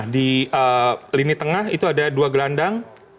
di lini tengah itu ada dua gelandang